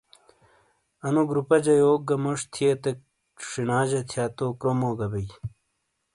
اَنو گروپہ جہ یوک گہ موݜ تھئیتک ݜینا جہ تھیا تو کرومو گہ بئی ۔